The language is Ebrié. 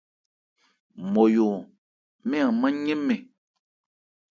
Nmɔyo-ɔn, mɛ́n an mán yɛ́n mɛn.